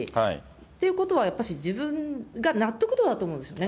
ということは、やっぱし自分が納得だと思うんですよね。